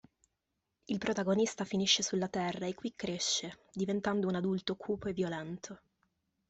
Il protagonista finisce sulla Terra e qui cresce, diventando un adulto cupo e violento.